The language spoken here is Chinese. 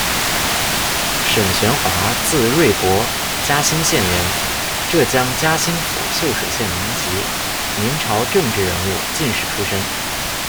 沈玄华，字瑞伯，嘉兴县人人，浙江嘉兴府秀水县民籍，明朝政治人物、进士出身。